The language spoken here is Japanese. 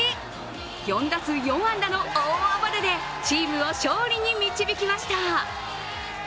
４打数４安打の大暴れでチームを勝利に導きました。